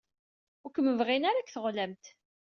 Ur kem-bɣin ara deg teɣlamt.